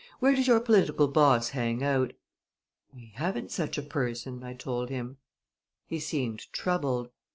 Where does your political boss hang out?" "We haven't such a person," I told him. He seemed troubled.